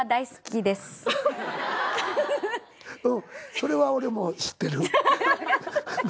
それは俺も知ってる。